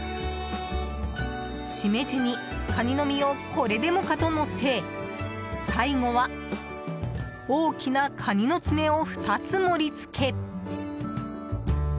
シメジに、カニの身をこれでもかとのせ最後は大きなカニの爪を２つ盛り付け。